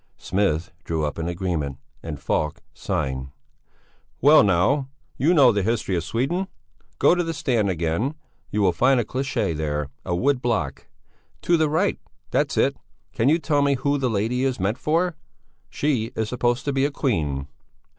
Smith drew up an agreement and Falk signed. "Well, now! You know the history of Sweden? Go to the stand again you will find a cliché there, a wood block. To the right! That's it! Can you tell me who the lady is meant for? She is supposed to be a queen."